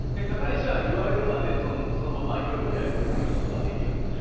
加害者は言われるまでそのままやり続けることができると。